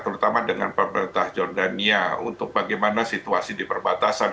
terutama dengan pemerintah jordania untuk bagaimana situasi diperbatasan